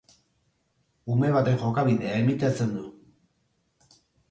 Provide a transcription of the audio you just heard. Ume baten jokabidea imitatzen du